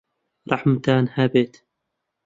ڕەحمتان هەبێت!